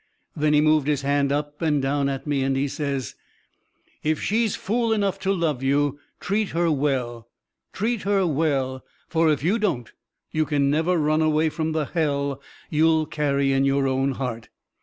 Then he moved his hand up and down at me, and he says: "If she's fool enough to love you, treat her well treat her well. For if you don't, you can never run away from the hell you'll carry in your own heart."